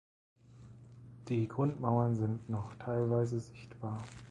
Die Grundmauern sind noch teilweise sichtbar.